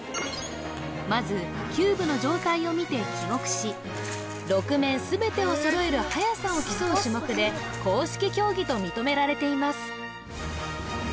まずキューブの状態を見て記憶し６面全てを揃える速さを競う種目で公式競技と認められています